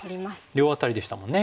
両アタリでしたもんね。